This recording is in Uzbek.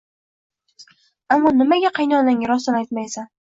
Ammo nimaga qaynonangga rostini aytmaysan